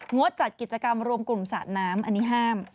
ดจัดกิจกรรมรวมกลุ่มสาดน้ำอันนี้ห้าม